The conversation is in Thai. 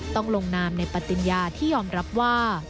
ต้องลงนามในปฏิญญาที่ยอมรับว่า